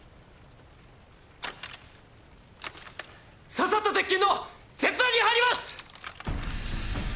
刺さった鉄筋の切断に入りますッ。